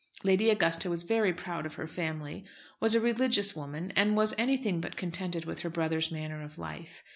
Lady Augusta was very proud of her family, was a religious woman, and was anything but contented with her brother's manner of life.